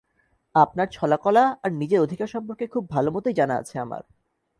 আপনার ছলাকলা আর নিজের অধিকার সম্পর্কে খুব ভালোমতোই জানা আছে আমার।